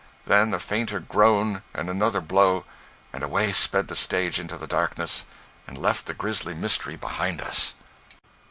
Then a fainter groan, and another blow, and away sped the stage into the darkness, and left the grisly mystery behind us.